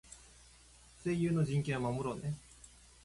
声優の人権は守ろうね。